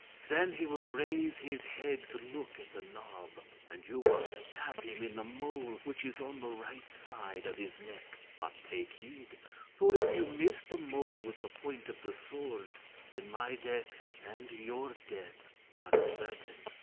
Then he will raise his head to look at the knob, and you must stab him in the mole which is on the right side of his neck; but take heed, for if you miss the mole with the point of the sword, then my death and your death are certain.